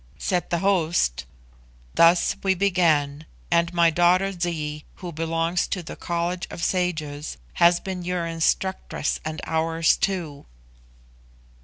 Said the host, "Thus we began; and my daughter Zee, who belongs to the College of Sages, has been your instructress and ours too."